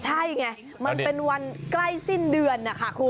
ใช่ไงมันเป็นวันใกล้สิ้นเดือนนะคะคุณ